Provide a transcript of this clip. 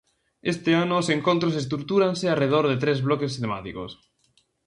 Este ano os Encontros estrutúranse arredor de tres bloques temáticos.